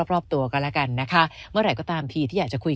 รอบตัวกันแล้วกันนะคะเมื่อไหร่ก็ตามทีที่อยากจะคุย